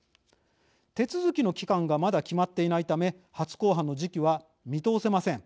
手続きの期間がまだ決まっていないため初公判の時期は見通せません。